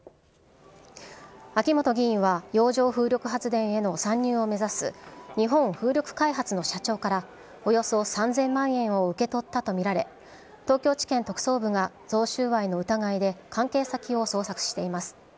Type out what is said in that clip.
秋本議員は、洋上風力発電への参入を目指す日本風力開発の社長からおよそ３０００万円を受け取ったと見られ、東京地検特捜部が贈収賄の疑いで関係先を捜索しています。